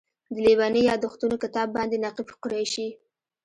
د لېوني یادښتونو کتاب باندې نقیب قریشي.